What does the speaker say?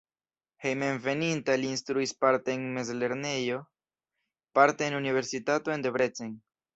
Hejmenveninta li instruis parte en mezlernejo, parte en universitato en Debrecen.